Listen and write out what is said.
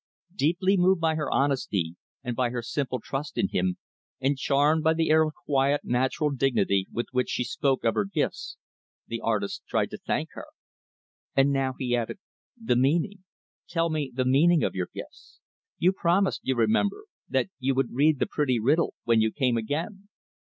Deeply moved by her honesty and by her simple trust in him; and charmed by the air of quiet, natural dignity with which she spoke of her gifts; the artist tried to thank her. "And now," he added, "the meaning tell me the meaning of your gifts. You promised you remember that you would read the pretty riddle, when you came again."